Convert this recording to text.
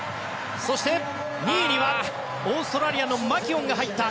そして、２位にはオーストラリアのマキュオンが入った。